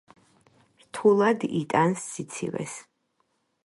რთულად იტანს სიცივეს.